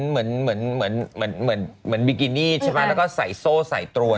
เหมือนบิกินี่ใช่ไหมแล้วก็ใส่โซ่ใส่ตรวน